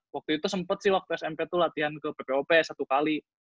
waktu itu sempet sih waktu smp tuh latihan ke ppop satu kali